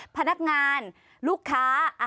พนักงานลูกค้า